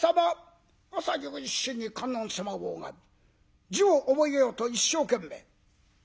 朝夕一心に観音様を拝み字を覚えようと一生懸命。